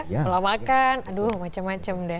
kalau makan aduh macam macam deh